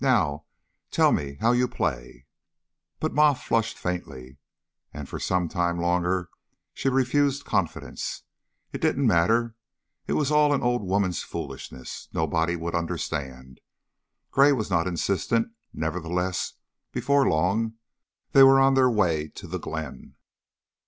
Now tell me how you play." But Ma flushed faintly, and for some time longer she refused her confidence. It didn't matter; it was all an old woman's foolishness; nobody would understand. Gray was not insistent; nevertheless, before long they were on their way toward the glen.